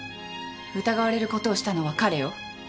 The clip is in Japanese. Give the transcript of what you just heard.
疑われる事をしたのは彼よ。